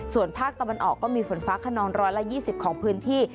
ส่วนภาคตะวันออกก็มีฝนฟ้าขนอง๑๒๐ของพื้นที่